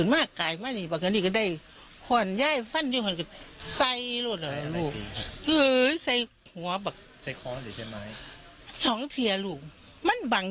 มันบังอยู่ไหนแม่เพราะเห็นจากตีมองใดเออชองทีเออแล้วก็ล้มแม่ครับเออ